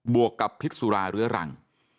วกกับพิษสุราเรื้อรัง